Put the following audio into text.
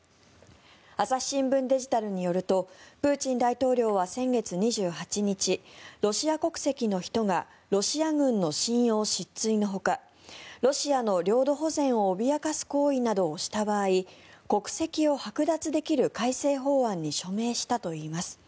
朝日新聞デジタルによるとプーチン大統領は先月２８日ロシア国籍の人がロシア軍の信用失墜のほかロシアの領土保全を脅かす行為などをした場合国籍をはく奪できる改正法案に署名したといいます。